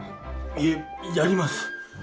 いえやります